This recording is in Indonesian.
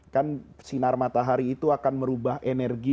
kan sinar matahari itu akan merubah energi